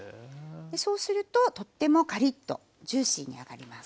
そうするととってもカリッとジューシーに揚がります。